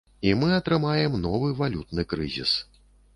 І мы атрымаем новы валютны крызіс.